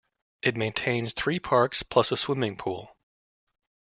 It maintains three parks plus a swimming pool.